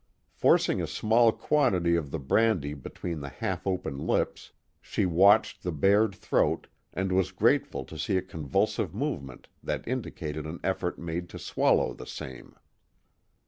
Forcing a small quantity of the brandy between the half open lips, she watched the bared throat, and was grateful to see a convulsive movement that indicated an effort made to swallow the same.